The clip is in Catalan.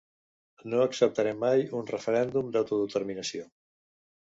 No acceptarem mai un referèndum d’autodeterminació.